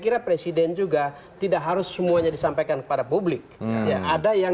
kira presiden juga tidak harus semuanya disampaikan kepada publik ada yang